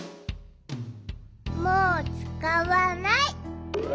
もうつかわない。